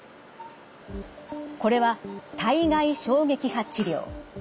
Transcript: これは体外衝撃波治療。